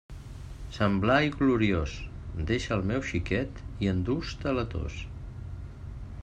Sant Blai gloriós, deixa el meu xiquet i endús-te la tos.